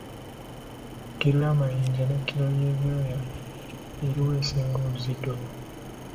Kkiro y’amayinja ne kkiro y’ebyoya eri wa esinga obuzito?